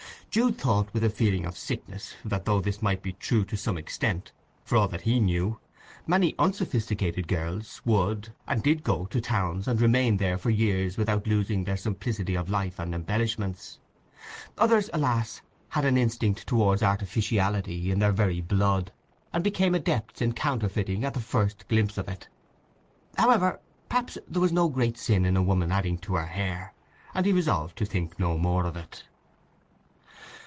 Jude thought with a feeling of sickness that though this might be true to some extent, for all that he knew, many unsophisticated girls would and did go to towns and remain there for years without losing their simplicity of life and embellishments. Others, alas, had an instinct towards artificiality in their very blood, and became adepts in counterfeiting at the first glimpse of it. However, perhaps there was no great sin in a woman adding to her hair, and he resolved to think no more of it.